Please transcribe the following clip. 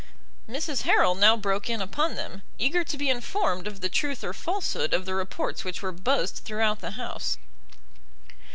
Mrs Harrel now broke in upon them, eager to be informed of the truth or falsehood of the reports which were buzzed throughout the house.